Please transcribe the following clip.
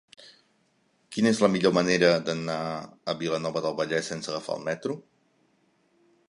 Quina és la millor manera d'anar a Vilanova del Vallès sense agafar el metro?